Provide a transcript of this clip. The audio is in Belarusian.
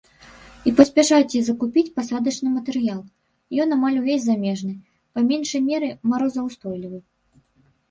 І паспяшайцеся закупіць пасадачны матэрыял, ён амаль увесь замежны, па меншай меры марозаўстойлівы.